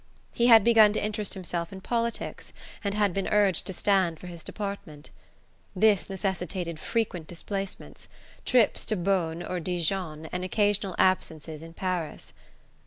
He had begun to interest himself in politics and had been urged to stand for his department. This necessitated frequent displacements: trips to Beaune or Dijon and occasional absences in Paris.